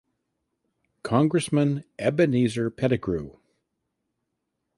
Congressman Ebenezer Pettigrew.